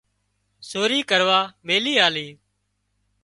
سوري ڪروا ميلي آلي